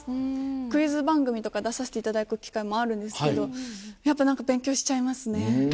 クイズ番組とか出させていただく機会もあるんですけどやっぱ何か勉強しちゃいますね。